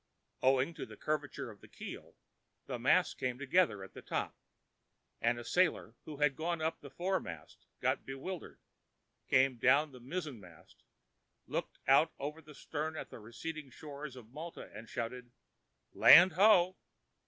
Owing to the curvature of the keel, the masts came together at the top, and a sailor who had gone up the foremast got bewildered, came down the mizzenmast, looked out over the stern at the receding shores of Malta and shouted: "Land, ho!"